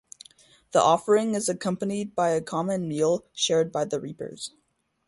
The offering is accompanied by a common meal shared by the reapers.